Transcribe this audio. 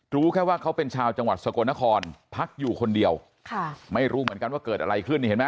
รู้แค่ว่าเขาเป็นชาวจังหวัดสกลนครพักอยู่คนเดียวค่ะไม่รู้เหมือนกันว่าเกิดอะไรขึ้นนี่เห็นไหม